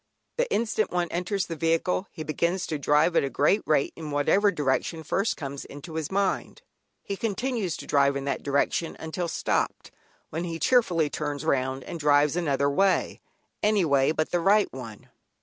The instant one enters the vehicle he begins to drive at a great rate in whatever direction first comes into his mind. He continues to drive in that direction until stopped, when he cheerfully turns round and drives another way, any way but the right one.